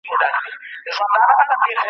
نغمې بې سوره دي، له ستوني مي ږغ نه راوزي